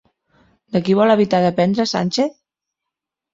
De qui vol evitar dependre Sánchez?